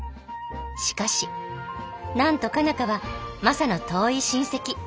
しかしなんと佳奈花はマサの遠い親戚。